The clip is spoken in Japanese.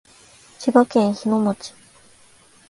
滋賀県日野町